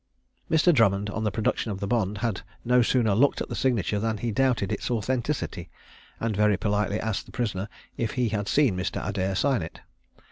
Mr. Drummond, on the production of the bond, had no sooner looked at the signature than he doubted its authenticity, and very politely asked the prisoner if he had seen Mr. Adair sign it.